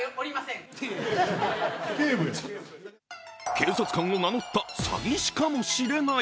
警察官を名乗った詐欺師かもしれない。